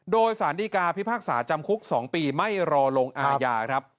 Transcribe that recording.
โดยสารดีกาพิพากษาจำคุก๒ปีไม่รอลงอาญาครับ